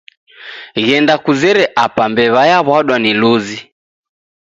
Ghenda kuzere Apa mbew'a yawa'dwa ni luzi